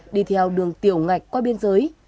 đi theo đường tiểu ngạch qua biên giới